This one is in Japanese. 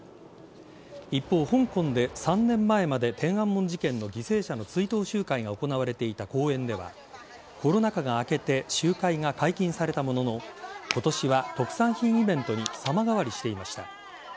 一方、香港で３年前まで天安門事件の犠牲者の追悼集会が行われていた公園ではコロナ禍が明けて集会が解禁されたものの今年は特産品イベントに様変わりしていました。